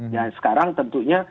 nah sekarang tentunya